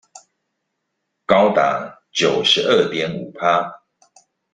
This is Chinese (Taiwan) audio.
高達九十二點五趴